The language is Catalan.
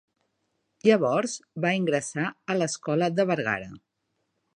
Llavors va ingressar a l'Escola de Bergara.